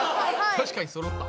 確かにそろった。